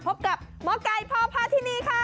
พบกับหมอกัยพอพาธินีค่า